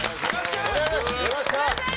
お願いします。